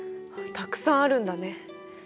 たくさんあるんだね。